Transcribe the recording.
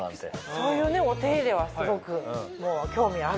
そういうねお手入れはすごく興味ある。